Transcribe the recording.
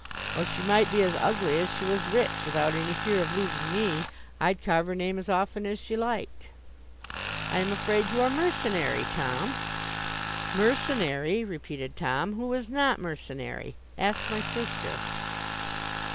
Or she might be as ugly as she was rich, without any fear of losing me. I'd carve her name as often as she liked.' 'I am afraid you are mercenary, Tom.' 'Mercenary,' repeated Tom. 'Who is not mercenary? Ask my sister.